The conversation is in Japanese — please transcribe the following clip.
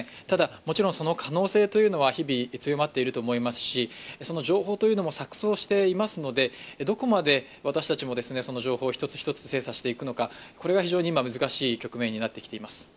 ただ、もちろんその可能性は日々強まっていると思いますし、その情報も錯綜していますので、どこまで私たちもこの情報を一つ一つ精査していくのか、これが非常に難しい局面になってきています。